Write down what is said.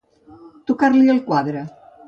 Tocar-li el quadre.